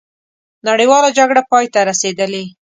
نړیواله جګړه پای ته رسېدلې.